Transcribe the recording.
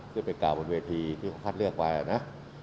ไปกล่าวบนเวทีที่เขาคัดเลือกไปนะ